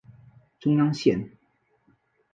中央线